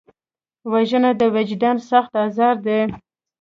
وژنه د وجدان سخت ازار دی